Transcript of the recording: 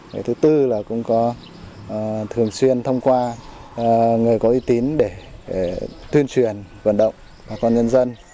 cái thứ tư là cũng có thường xuyên thông qua người có uy tín để tuyên truyền vận động bà con nhân dân